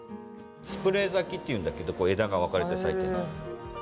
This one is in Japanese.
スプレー咲きっていうんだけどこう枝が分かれて咲いてる。